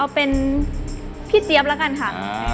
เอาเป็นพี่เจฟละกันค่ะ